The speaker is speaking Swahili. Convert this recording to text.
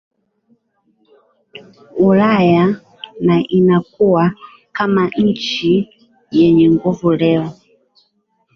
Ulaya na inakua kama nchi yenye nguvu Leo